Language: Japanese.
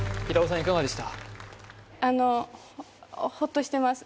いかがでした？